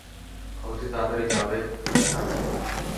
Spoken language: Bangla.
অফিসে তাড়াতাড়ি যাবে না কি?